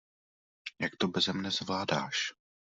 Jak to beze mne zvládáš?